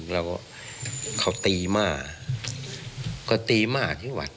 เราก็เขาตีหม้าก็ตีหม้าที่หวัด